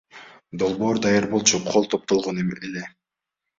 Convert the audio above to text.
Долбоор даяр болчу, кол топтолгон эле.